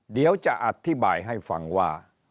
เดี๋ยวจะอธิบายให้ฟังว่า